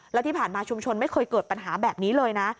แล้วที่ผ่านมาชุมชนไม่เคยเกิดปัญหาแบบนี้เลยนะ